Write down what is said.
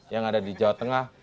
yang ada di jawa tengah